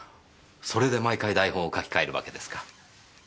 それで毎回台本を書き換えるわけですか。